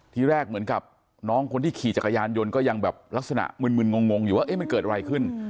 ทีแรกเหมือนกับน้องคนที่ขี่จักรยานยนต์ก็ยังแบบลักษณะมึนงงอยู่ว่ามันเกิดอะไรขึ้น